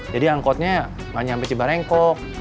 jadi angkotnya gak nyampe cibarengkok